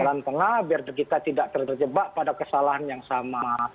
jalan tengah biar kita tidak terjebak pada kesalahan yang sama